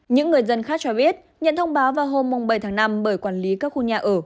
những người dân khác cho biết nhận thông báo vào hôm bảy tháng năm bởi quản lý các khu nhà ở